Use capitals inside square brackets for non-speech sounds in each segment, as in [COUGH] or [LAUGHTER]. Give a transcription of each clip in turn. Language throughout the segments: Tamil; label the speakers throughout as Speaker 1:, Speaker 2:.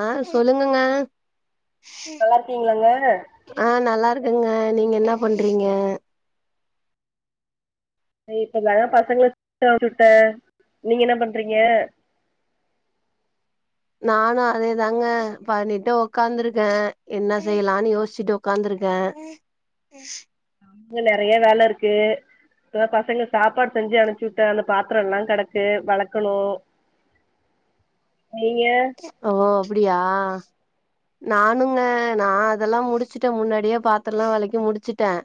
Speaker 1: ஆஹ் சொல்லுங்கங்க
Speaker 2: நல்லாருக்கீங்ளாங்க
Speaker 1: ங்க நீங்க என்ன பண்றீங்க
Speaker 2: இப்பதாங்க பசங்கள அம்சுடேன் நீங்க என்ன பண்றீங்க
Speaker 1: நானும் அதேதாங்க பண்ணிட்டு ஒக்காந்துருக்கேன் என்ன செய்லான் யோசிச்ட்டு ஒக்காந்துருக்கேன்
Speaker 2: இனும் நெறைய வேலருக்கு இப்பதா பசங்க சாப்பாடு செஞ்சு அணிச்சு உட்டேன் அந்த பாத்ரல்லாம் கெடக்கு வெளக்கணும்
Speaker 1: ஓ அப்டியா நானுங்க நான் அதெலாம் முடிச்சுடேன் முன்னாடியே பாத்திரலாம் வெளக்கி முடிச்சுடேன்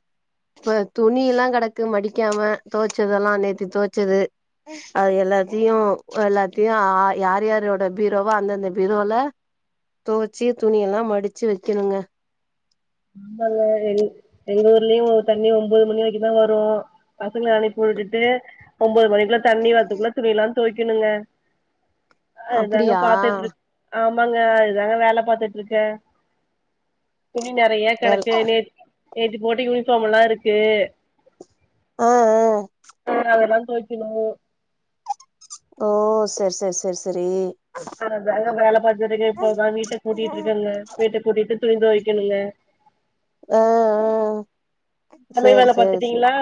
Speaker 1: இப்ப துணிலாம் கெடக்கு மடிக்காம தொவச்சதெலாம் நேத்தி தொவச்சது அது எல்லாத்தையும் எல்லாத்தையும் யார் யாரோட ப வா அந்தந்த பிரோல தொவச்சி துணிலாம் மடிச்சு வக்கணுங்க
Speaker 2: ஆமால எ எங்கூர்லயும் ஒரு தண்ணி ஒமபோது மணி வரைக்கும் தான் வரும் அனுப்பி ‌உட்டுட்டு ஒம்போது மணிக்குள்ள தண்ணி வரதுகுள்ள துணிலாம்‌ தோய்க்கணுங்க அ நாங்க
Speaker 1: அப்டியா
Speaker 2: பாத்துட்ரு ஆமா ஆங்க இதுதாங்க வேல பாத்ட்ருக்கேன் துணி நெறைய
Speaker 1: வேல
Speaker 2: கெடக்கு நேதி போட்ட யூனிஃபார்ம்லாம் இருக்கு [UNINTELLIGIBLE]
Speaker 1: ஆ ஆ
Speaker 2: [UNINTELLIGIBLE]
Speaker 1: ஓ சேரி சேரி சேரி சேரி
Speaker 2: [UNINTELLIGIBLE] துணி தொவக்கனுங்க
Speaker 1: ஆஹ் ஆஹ்
Speaker 2: சமையல்
Speaker 1: சேரி
Speaker 2: வேல
Speaker 1: சேரி சேரி
Speaker 2: பாத்துட்டீங்களா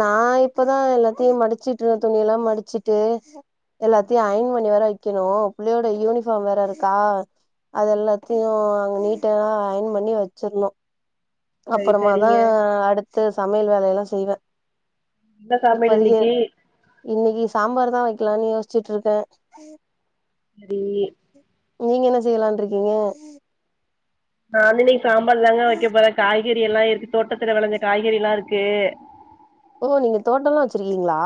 Speaker 1: நா இப்பதான் எல்லாத்தையும் மடிச்சுட்டு இரு துணியலாம் மடிச்சிட்டு எல்லாத்தையும் அயன் பண்ணி வேற வக்கிணும் புள்ளையோட யூனிஃபார்ம் வேற இருக்கா அது எல்லாத்தையும் அங்க நீட்டா அயன் பண்ணி வச்சிர்ணும்
Speaker 2: சரி சரிங்க
Speaker 1: அப்றமாதான் அடுத் சமையல் வேலயெலாம் செய்வேன் இன்னைக்கு
Speaker 2: [UNINTELLIGIBLE]
Speaker 1: சாம்பார் தான் வக்கிலான் யோசிச்சுட்ருக்கேன்
Speaker 2: [INAUDIBLE]
Speaker 1: நீங்க என்ன செய்யலான்ட்ருகீங்க
Speaker 2: [INAUDIBLE] சாம்பார்ல்லாங்க வக்க போற காய காய்கறிலாம் இருக்கு தோட்டத்துல வெளஞ்ச காய்கறிலாம் இருக்கு
Speaker 1: ஓ நீங்க தோட்டலாம் வச்சிருக்கீங்ளா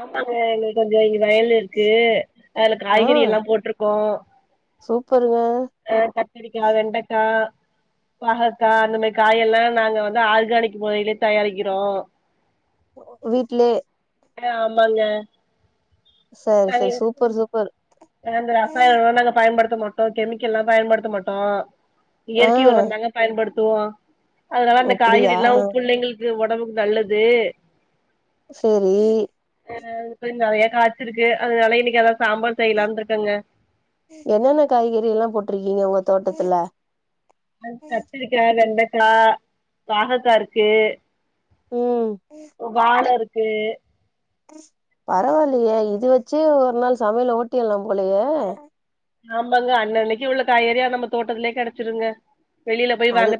Speaker 2: ஆமாங்க எங்ளுக்கு கொஞ்சம் வயலிருக்கு அதுல காய்கறியெலாம் போட்ருக்கோம்
Speaker 1: சூப்பர்
Speaker 2: ஆஹ் கத்திரிக்காய் வெண்டைக்காய் பாஹக்கா அந்த மாதிரி காய எல்லாம் நாங்க வந்து ஆர்கானிக் முறையிலயே தயாரிக்கிறோம்
Speaker 1: வீட்லே
Speaker 2: ஆமாங்க
Speaker 1: சரி சரி சூப்பர் சூப்பர்
Speaker 2: இந்த ரசாய நாங்க பயன்படுத்த மாட்டோம் கெமிக்கல்ல எல்லாம் பயன்படுத்த மாட்டோம்
Speaker 1: ஆ
Speaker 2: இயற்கை உரம்ந்தாங்க பயன்படுத்த பயன்படுத்துவோம் அதனால அந்த
Speaker 1: அப்டியா
Speaker 2: காய்கறி எல்லாம் உ பிள்ளைங்களுக்கு இது உடம்புக்கு நல்லது
Speaker 1: சரி
Speaker 2: நிறைய காய்ச்ச இருக்கு அதனால இன்னைக்கு அதான் சாம்பார் செய்யலான்னு இருக்கங்க
Speaker 1: என்னென்ன காய்கறி எல்லாம் போட்டிருக்கீங்க உங்க தோட்டத்துல
Speaker 2: அ கத்திருக்கா வெண்டைக்காய் பாகக்காஇருக்கு
Speaker 1: உம்
Speaker 2: வாழை இருக்கு
Speaker 1: பரவாயில்லையே இது வச்சு ஒரு நாள் சமையல ஓட்டிடலாம் போலைய
Speaker 2: ஆமாபங்க அன்னன்னைக்கு உள்ள காய்கறியா நம்ம தோட்டத்துலேயே கிடைச்சிருங்க
Speaker 1: அது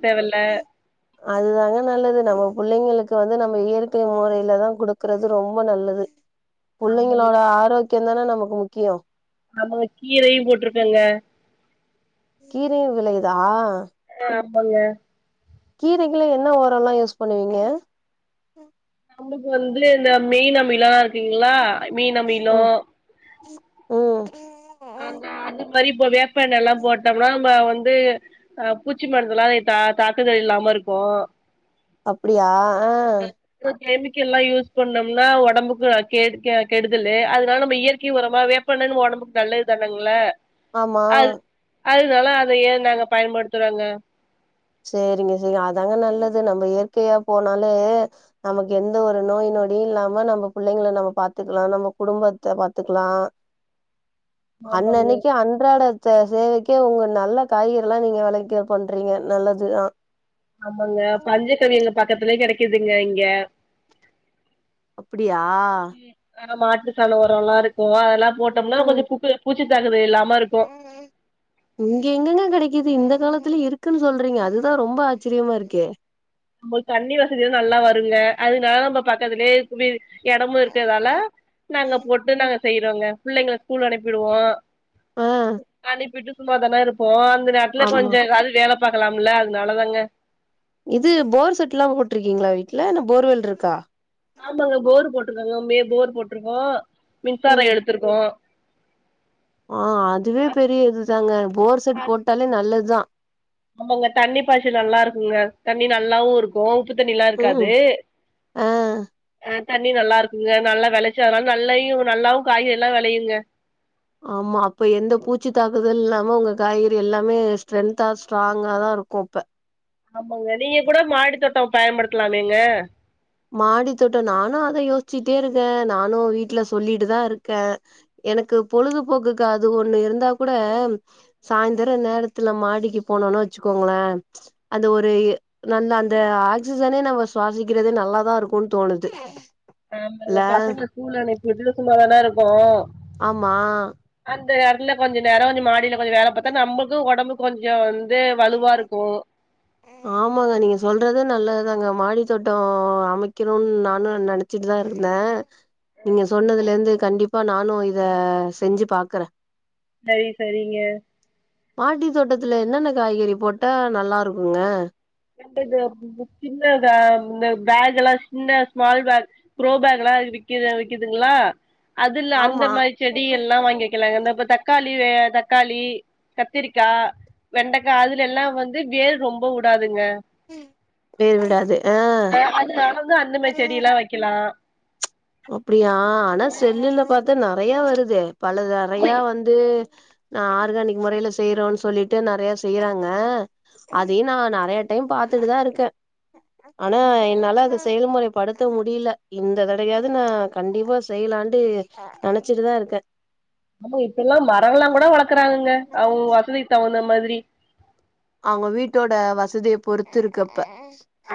Speaker 1: அதுதாங்க நல்லது நம்ம பிள்ளைங்களுக்கு வந்து நம்ம இயற்கை முறையில தான் கொடுக்கறது ரொம்ப நல்லது
Speaker 2: ஆமாங்க
Speaker 1: பிள்ளைங்களோட ஆரோக்கிய ஆரோக்கியந்தானா நமக்கு முக்கியம்
Speaker 2: ஆமாங்க கீரையும் போட்டிருக்கேங்க
Speaker 1: கீரை விலையுதா
Speaker 2: ஆமாங்க
Speaker 1: கீரைகளை என்ன ஓரம்ல்லாம் யூஸ் பண்ணுவீங்க
Speaker 2: நம்மக்கு வந்து இந்த மெயிலமிலாம் ங்களா மீன
Speaker 1: ம்
Speaker 2: மீளம்
Speaker 1: ம்
Speaker 2: மாதிரி இப்ப வேப்பண்ண எல்லாம் போட்டோம்னா நம்ம வந்து அஹ் பூச்சி மருந்தெல்லாம் தாக்குதல் இல்லாம இருக்கும்
Speaker 1: அப்படியா
Speaker 2: அஹ் கெமிக்கல்லாம் யூஸ் பண்ணோம்னா உடம்புக்கு கெடுதல அதனால நம்ம இயற்கை உரமா வேப்பண்ணன்னு உடம்புக்கு நல்லது தானேங்கள
Speaker 1: ஆமா
Speaker 2: அதனால அத ஏ நாங்க பயன்படுத்துறோங்க
Speaker 1: சரிங்க சரி அதாங்க நல்லது நம்ம இயற்கையா போனாலே நமக்கு எந்த ஒரு நோய் நொடியும் இல்லாம நம்ம பிள்ளைங்கள நம்ம பாத்துக்கலாம் நம்ம குடும்பத்தை பாத்துக்கலாம்
Speaker 2: ஆமாங்க
Speaker 1: அன்னேனிக்கு அன்றாட ச சேவைக்க உங்க நல்ல காய்கரிலாம் நீங்கள் விளைக்க பண்ணுறீங்க நல்லது தான்
Speaker 2: ஆமாங்க பஞ்சக்கவி பக்கத்துலேயே கிட இதுங்க இங்க
Speaker 1: அப்டியா
Speaker 2: ஆ மாட்டு சாணம் உரம் எல்லாம் இருக்கும் அதெல்லாம் போஓட்டனா
Speaker 1: ம்
Speaker 2: கொஞ்சம் ல்லாம்
Speaker 1: இங்க எங்கெங்க கெடைக்குது இந்த காலத்துல இரு இருக்குன்னு சொல்றீங்க அதுதான் ரொம்ப ஆச்சரியமா இருக்கே
Speaker 2: [INAUDIBLE] தண்ணி வசதிதான் நல்லா வருங்க அதுனால நம்ம பக்கத்துலயே குடி இடமும் இருக்கதால நாங்க போட்டு நாங்க செய்யறவங்க புள்ளை எங்களை ஸ்கூல் அனுப்பிடுவோம்
Speaker 1: ஆ
Speaker 2: அனுிப்பிட்டு சும்மாாதானே இருப்போம் அந்த நேரத்துல
Speaker 1: ஆமா
Speaker 2: கொஞ்சம் எதவ்து வேலை பாக்கலாம்ல அதனாலதாங்க
Speaker 1: இது போர் செட் எல்லா போட்ருக்கீங்களா வீட்ல இல்லா போர்வல் இருக்கா
Speaker 2: இருக்கோ மின்சார எடுத்துருக்கோ
Speaker 1: ஹ அதுவே பெரிய இதுதாங்க போர் செட் போட்டாலே நல்லது ஞ்ச
Speaker 2: அவுங்க தண்ணி பாய்ச்சு நல்லா இருக்குங்க தண்ணி நல்லாவு இருக்கு உப்பு தண்ணிலா இருக்காது
Speaker 1: ம் ஆ
Speaker 2: ஆ தண்ணி நல்லா இருக்குங்க நல்லா வெலைச்சல் அதனால நல்லயு நல்லாவு காய்கறி எல்லா வெளையுங்க
Speaker 1: ஆம்மா அப்ப எந்த பூச்சி தாக்குத அது இல்லாம உங்க காய்கறி எல்லாமே ஸ்ட்ரென்த்தா ஸ்ட்ராங்கா தா இருக்கு இப்ப
Speaker 2: ஆமாங்க நீங்க கூட மாடி தோட்ட பயன்படுத்தலாமேங்க
Speaker 1: மாடி தோட்ட நானு அத யோசிச்சுட்டே இருக்கே நானு வீட்ல சொல்லிட்டு தா இருக்கே எனக்கு பொழுதுபோக்குக்கு அது ஒண்ணு இருந்தா கூட ம் சாயந்தர நேரத்துல மாடிக்கு போனோன்னு வச்சுக்கோங்களே அந்த ஒரு இ நல்ல அந்த ஆக்சிஜனே நம்ம சுவாசிக்கிறதே ந நல்லாதா இருக்குன் தோணுது
Speaker 2: ஆமா
Speaker 1: இல்ல
Speaker 2: ஓ பசங்கலா ஸ்கூல்ல நிறுத்திட்டு சும்மாதானா இருக் கோ
Speaker 1: ஆம்மா
Speaker 2: தெர்ல கொஞ்ச நேர நிம் மாடில போய் வேல பாத்தா நம்பளுக்கு ஓடம் கொஞ்சந் தே வலுவா இருக்கு
Speaker 1: ஆமாங்க நீங்க சொல்றது நல்லதுதாங்க மாடி தோட்ட அமைக்கனுன் நானு நெனைச்சிட்டு தா இருந்தே நீங்க சொன்னதுலேருந்து க் கண்டிப்பா நானு இத செஞ்சி பாக்கற
Speaker 2: சரி சரிங்க
Speaker 1: மாடி தோட்டத்துல என்னென்ன காய்கறி போட்டா நல்லா இரு க்குங்க
Speaker 2: [UNINTELLIGIBLE] சின்ன தா இந்த பேக் எல்லா சின்ன ஸ்மால் பேக் க்ரோ பேக்லா விக்குது விக்குதுங்களா அதுல அந்த
Speaker 1: ஆமா
Speaker 2: மாரி செடி எல்லா வாங்கி வைக்கலங்க இந்த ப்ப தக்காள் டி வேற தக்காளி கத்திரிக்கா வெண்டைக்கா அதுல எல்லா வந்து வேர் ரொம்ப வுடாது ங்க
Speaker 1: வேர் விடாது ஆ
Speaker 2: அது நடந்த அந்த மாரி செடி எல்லா வைக்கலா
Speaker 1: அப்டியா ஆனா செல்லுல பாத் து நெறைய வருதே பலது நெறையா வந்து நா ஆர்கானிக் முறையல செய்யறோன் சொல்லிட்டு நெறைய செய்யறாங்க அதையு நா நெறைய டைம் பாத்துட்டு தா இருக்கே ஆனா
Speaker 2: இப்ப
Speaker 1: என்னால அது செயல்முறை படுத்த முடியல இந்த தடையாது நா கண்டிப்பா செய்லான்ட்டு ஆ நெனச்சிட்டு தா இருக்கே
Speaker 2: ஆமா இப்பெல்லா மரங்கலா கூட வளக்கறாங்கங்க அவுங்க அவுங்க வசதி தகுந்த மாரி ரி
Speaker 1: அவுங்க வீட்டோட வசதிய பொறுத்து இருக்குப்ப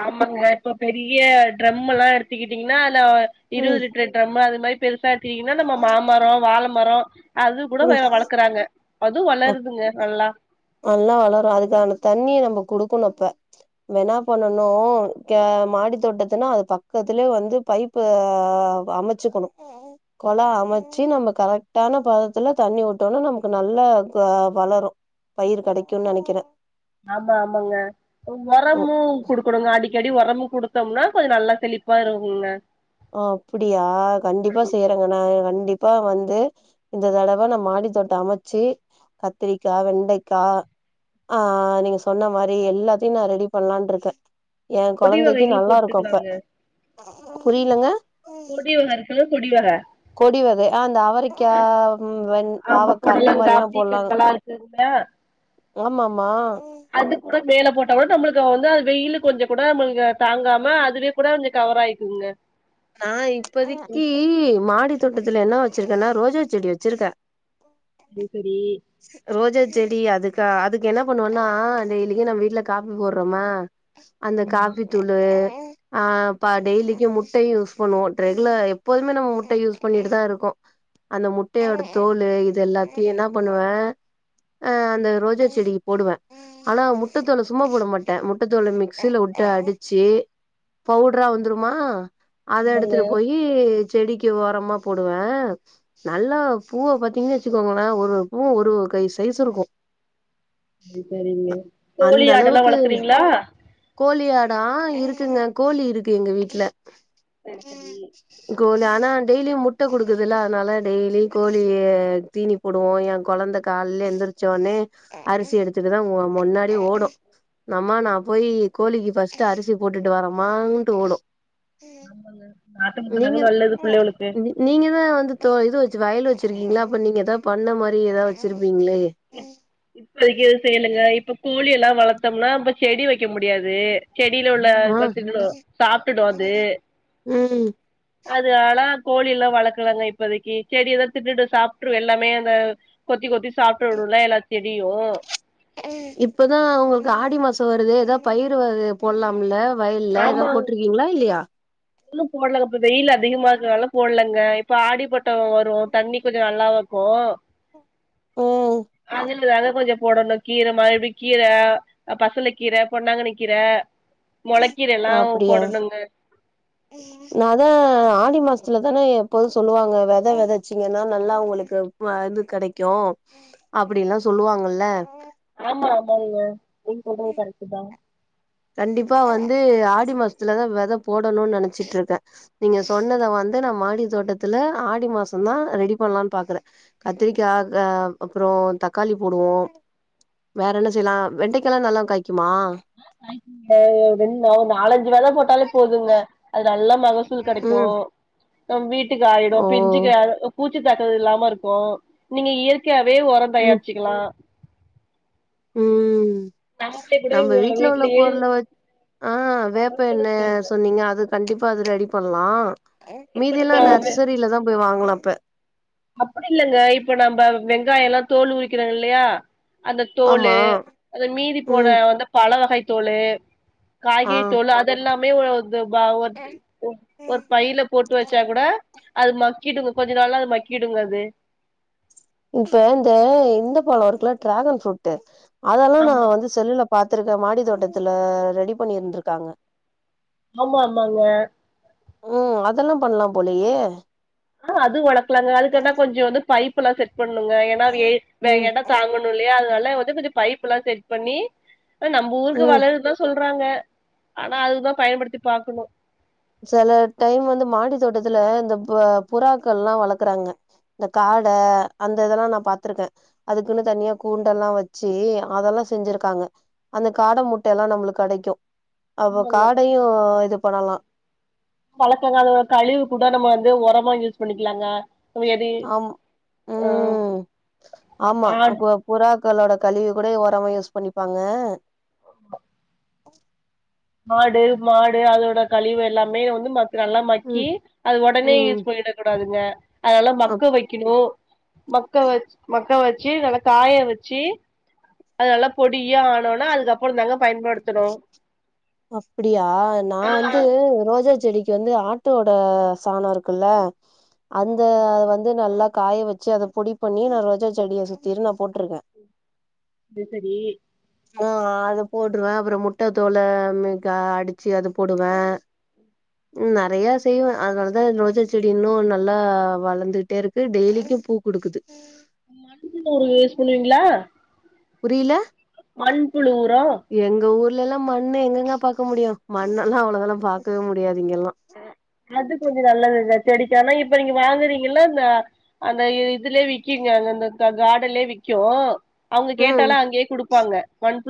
Speaker 2: ஆமாங்க இப்ப பெரிய ட்ரம் எல்லா எடுத்துக்கிட்டிங்கன்னா [UNINTELLIGIBLE]
Speaker 1: ம்
Speaker 2: இருவதுலிட்டர் டரம் அது மை பெரிஸ் பாத்தீங்கன்னா நம்ம மாமரோ வால மரோ அது கூட வளக்குறாங்க அதுவு
Speaker 1: அப்
Speaker 2: வளருதுங்க நல்லா
Speaker 1: நல்லா வளரு அதுக்கான தண்ணி நம் குடுக்குனு அப்ப. நம்ப ன்னா பண்ணனு ஏ மாடி தோட்டத்துன்னா அது பக்கத்திலே வந்து பைப்பு அ அமைச்சிக்கணு கொல அமச்சி நம்ம கரெக்ட்டான பதத் துல தண்ணி வுட்டோனே நமக்கு நல்லா வ வளரு பயிர் கெடைக்கு நெனைக்கறே
Speaker 2: ஆமா ஆமாங்க
Speaker 1: ம்
Speaker 2: ஒரம்மு குடுக்கணுங்க அடி க்கடி ஒரமு குடுத்தோம்னா கொஞ்ச நல்லா செழிப்பா இருக்கும்ங்க
Speaker 1: ஆ அப்டியா கண்டிப்பா செய்யறேங்க நா கண்டிப் பா வந்து இந்த தடவ நா மாடித்தோட்ட அமைச்சி கத்திரிக்கா வெண்டைக்கா ஆ நீங்க சொன்ன மாரி எல்லாத்தையு நா ரெடி பண்லான்ற்ருக்கே எ
Speaker 2: கொடி
Speaker 1: கொழந்தைக்கு
Speaker 2: வகைகள்
Speaker 1: நல்லா இருக்கோ அப்ப
Speaker 2: போட்டுக்கலாங்க
Speaker 1: புரியலங்க
Speaker 2: கொடி ஒரு அரகிலோ புடி வரா
Speaker 1: கொடிவகை ஆ அந்த அவரைக்கா வெண்
Speaker 2: ஆமா
Speaker 1: பாவக்க அந்த மாரி
Speaker 2: பொடலங்கா
Speaker 1: எல்லா போடலான்
Speaker 2: பீக்கங்கல்லா இருக்குங்க
Speaker 1: ஆமாமமா
Speaker 2: அது கூட மேல போட்டா கூட நம்மளுக்கு வந்து அது வெயில்ல கொஞ்ச கூட நம்மளுக்கு தாங்காம அதுவே கூட கொஞ்ச கவர் ஆயிக்குங்க
Speaker 1: நா இப்பதிக்கி மாடி தோட்டத்துல என்ன வச்சிருக்கன்னா ரோஜா செடி வச்சிருக்கே
Speaker 2: சரி சரி
Speaker 1: ரோஜா செ செடி அதுக்கா அதுக்கு என்ன பண்ணுவோன்னா டெய்லிக்கு நம்ம வீட்ல காப்பி போடுறோம்மா அந்த
Speaker 2: ஆமா
Speaker 1: காப்பி தூளு ஆ ப்ப டெய்லிக்கு முட் முட்டையு யூஸ் பண்ணுவோ ரெகுலர் எப்போதுமே நம்ம முட்டையை யூஸ் பண்ணிட்டு தா இருக்கு அந்த முட்டையோட தோலு இது எல்லாத்தையு என்ன பண்ணுவே ஆ அந்த ரோஜா செடி போடுவே ஆனா முட்ட தோலை சும்மா போட மாட்டே முட்ட தோலை மிக்சியல வுட்டு அடிச்சு பவுடரா வந்துருமா அத எடுத்துட்டு போயி செடிக்கு ஒரமா போடுவே நல்லா பூவ பாத்தீங்னு வச்சுக்கோங்களே ஒரு ஒரு பூவு ஒரு ஒரு கை சைஸு இருக்கு
Speaker 2: சரி சரிங்க. கோழி
Speaker 1: அந்த
Speaker 2: ஆடு எல்லா
Speaker 1: அளவுக்கு
Speaker 2: வளக்கறீங்களா?
Speaker 1: கோழி ஆடா ஆ இருக்குங்க கோழி இருக்கு எங்க வீட்ல
Speaker 2: சரி சரி
Speaker 1: கோழி ஆனா டெய்லியு முட்டை குடுக்குதுல்ல அதனால டெய்லி கோழி தீனி போடுவோ ஏன் கொழந்த காலல எந்திரிச்சோடனே அரிசி எடுத்துட்டுதா மு முன்னாடி ஓடு நம்மா நா போயி கோழிக்கி ஃபஸ்ட்டு அரிசி போட்டுட்டு வரமான்ட்டு ஓடு
Speaker 2: ஆமாங்க நாட்டு முட்ட
Speaker 1: நீங்க
Speaker 2: தாங்க நல்லது புள்ளைகளுக்கு
Speaker 1: நீ நீங்கதா வந்து தோ இது வச் ச்சு வயல் வச்சிருக்கீங்களா அப்ப நீங்க எதா பண்ண மாரி எதா வச்சிரு
Speaker 2: இப் இப்போதைக்கி எது செய்யலங்க இப்ப கோழி எல்லா வளத்தோம்னா அப்ப செடி வைக்க முடியாது செடில உள்ள
Speaker 1: ஆ
Speaker 2: சத்துகளு சாப்ட்டுடு அது
Speaker 1: ம்
Speaker 2: அது அதல்லா கோழி எல்லா வளக்கலாங்க இப்போதைக்கி செடி எதா தின்னுட்டு சாப்ட்ரு எல்லாமே அந்த கொத்தி கொத்தி சாப்ட்டுடுல எல்லா செடியு
Speaker 1: இப்பதா உங்களுக்கு ஆடி மாசோ வருது எதா பயிறு வக போடலாம்ல வயல்ல ஏதா
Speaker 2: ஆமாங்
Speaker 1: போட்டிருக்கீங்களா இல்லையா
Speaker 2: இன்னு போடலங்க இப்ப வெயில் அதிகமா இருக்கனால போடலங்க இ ப்ப ஆடிப்பட்டோ வரு தண்ணி கொஞ்ச நல்லாவு இருக்கு
Speaker 1: ம்
Speaker 2: கொஞ்சோ போடணு கீர மறுபடி கீர அ பசல கீர பொன்னாங்கன்னி கீர மொள கீர எல்லா
Speaker 1: அப்டியா
Speaker 2: போடணுங்க
Speaker 1: நா அதா ஆடி மாசத்துலதான எப்போது சொல்லுவாங்க வெத வெதச்சீங்கன்னா நல்லா உங்களுக்கு ப இது கெடைக்கு அப்பிடின்லா சொல்லுவாங்கல்ல
Speaker 2: ஆமா ஆமாங்க நீங்க சொல்றது கரெக்டுதா
Speaker 1: கண்டிப்பா வந்து ஆடி மாசத்துலதா வெத போடணுன்னு நெனைச்சிட்ருக்கே நீங்க சொன்னத வந்து நான் மாடி தோட்டத்துல ஆடி மாசந்தா ரெடி பண்லான் பாக்குறே கத்திரிக்கா ஆ அப்புறோ தக்காளி போடுவோ வேற என்ன செய்யலா வெண்டைக்கா எல்லா நல்லா காய்க்குமா
Speaker 2: ஆ காய்க்குங்க வெண் ஒரு நாலஞ்சு வெத போட்டாலே போதுங்க அது நல்லா மகசூல் கெடைக்கு
Speaker 1: ம்
Speaker 2: நம் வீ ட்டுக்கு ஆயிடு
Speaker 1: ஓ
Speaker 2: பிஞ்சுக்கு ஆ அ பூ ச்சி தாக்குறது இல்லாம இருக்கு நீங்க இயற்கையா வே ஒரோந்
Speaker 1: ம்
Speaker 2: தயாரிச்சிக்கலா
Speaker 1: ம்
Speaker 2: நம்மளே கூட
Speaker 1: நம்ம வீட்ல உள்ள
Speaker 2: வீட்லயே
Speaker 1: பொருள வச் ஆ வேப்ப
Speaker 2: சொல்லுங்க
Speaker 1: எண்ண
Speaker 2: சொல்லுங்க
Speaker 1: சொன்னீங்க அது கண்டி ப்பா அது ரெடி பண்லா
Speaker 2: இப்ப
Speaker 1: மீதி எல்லா
Speaker 2: நம்ம
Speaker 1: நர்சரிலதா போயி வாங்கணு அப்ப
Speaker 2: அப்பிடி இல்லங்க இப்ப நம்ப வெங்காயோ எல்லா தோல் உரிக்கிறோ இல்லயா அந்த தோலு
Speaker 1: ஆமா
Speaker 2: அந்த மீதி போன
Speaker 1: ம்
Speaker 2: வந்து பழ வகை தோலு காய்கறி
Speaker 1: ஆ
Speaker 2: தோலு அதெல்லா மே இது ப ஒரு ஒரு பைல போட்டு வச்சா கூட அது மக்கிடுங்க கொஞ்ச நாள்ல அது ம க்கிடுங்க அது
Speaker 1: இப்ப இந்த இந்த பழோ இருக்குல்ல டிராகன் ஃப்ரூட்டு அதல்லா நா
Speaker 2: ஆமா
Speaker 1: வந்து செல்லுல பாத்துருக்க மாடி தோட்டத்துல ரெடி பண்ணி இருந்திருக்காங்க
Speaker 2: ஆமா ஆமாங்க
Speaker 1: ம் அதெல்லா பண்லா போலயே
Speaker 2: ஆ அது வளக்கலாங்க அதுக்கு என்ன கொஞ்சொ வந்து பைப் எல்லா செட் பண்ணணுங்க ஏன்னா அது வெய்
Speaker 1: ம்
Speaker 2: வ எட தாங்கணு இல்லயா அதனா ல வந்து கொஞ்சோ பைப் எல்லா செட் பண்ணி அ நம்ப ஊருக்கு
Speaker 1: ம்
Speaker 2: வளருன்னுதா சொல் றாங்க ஆனா அதுதா பயன்படுத்தி பாக்கணு
Speaker 1: சில டைம் வந்து மாடி தோட்டத்துல இந்த ப புறாக்கள்லா வளக்கறாங்க. இந்த காட அந்த இதெல்லா நா பாத்திருக்கே அதுக்குன்னு தனியா கூண்டெல்லா வச்சு அதெல்லா செஞ்சிருக்காங்க அந்த காட முட்டையெல்லா நம்மளுக்கு கெடைக்கு அப்போ
Speaker 2: ஆமாங்க
Speaker 1: காடையு இது பண்ணலா
Speaker 2: பழக்கங்க அது கழிவு கூட நம்ம வந்து ஒரமா யூஸ் பண்ணிக்கலாங்க நம்ம எது
Speaker 1: ஆம் ம் ஆமா
Speaker 2: ஆ
Speaker 1: அ பு புறா க்களோட கழிவ கூட ஒரமா யூஸ் பண்ணிப்பாங்க
Speaker 2: மாடு மாடு அதோட கழிவு எல்லாமே வந்து ம அது நல்லா
Speaker 1: ம்
Speaker 2: மக்கி அது உடனே
Speaker 1: ம்
Speaker 2: யூஸ் பண்ணிட கூடாதுங்க. அதல்லா
Speaker 1: அப்
Speaker 2: மக்க வைக்கணு மக்க வச் மக்க வச்சு நல்லா காய வச்சு அது நல்லா பொடியா ஆனோனே அதுக்கப்புறந் தாங்க பயன்படுத்தணு.
Speaker 1: அப்படியா நா
Speaker 2: ஆ
Speaker 1: வந்து ரோஜாச் செடிக்கு வந்து ஆட்டோட சாணோ இருக்குல்ல அந்த
Speaker 2: ஆமா
Speaker 1: வந்து நல்லத் காய வச்சு அத பொடி பண்ணி நா ரோஜா செடிய சுத்திர் நா போட்ருக்க
Speaker 2: அது சரி
Speaker 1: ஆ அது போட்ருவ அப்றோ முட்ட தோலு ம்மு கா அடிச்சி அது போடுவ ம் நறைய செய்வ அதனாலதா எ ரோஜா செடி இன்னும் நல்லா வளர்ந்துட்டேருக்கு டெய்லிக்கும் பூ குடுக்குது
Speaker 2: மண் புழு உரோ வேஸ் பண்வீங்ளா
Speaker 1: புரில
Speaker 2: மண்புழு உரோ
Speaker 1: இல்லெல்லா மண்ணு எங்கெங்க பாக்க முடியு மண்ணெல்லா அவ்ளோவெல்லா பாக்கவே முடியாது இங்கெல்லா
Speaker 2: அ அது கொஞ்ச நல்ல வெதத் செடிக்கா ஆனா இப்ப நீங்க வாங்குறீங்கல்ல அந்த அந்த இது இதுலே விக்கீங்க அந்ததத் தத் காடன்லே விக்கும் அவுங்க
Speaker 1: ம்
Speaker 2: கேட்டாலே அங்யே குடுப்பாங்க மண்